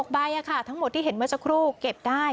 ใบทั้งหมดที่เห็นเมื่อสักครู่เก็บได้